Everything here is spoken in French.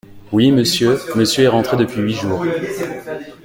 Oui, Monsieur, Monsieur est rentré depuis huit jours.